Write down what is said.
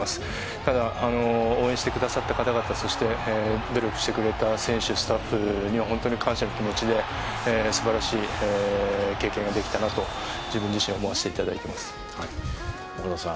ただ応援してくださった方々そして努力してくれた選手、スタッフには本当に感謝の気持ちで素晴らしい経験ができたなと自分自身に思わせて岡田さん